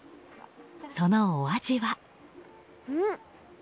そのお味は。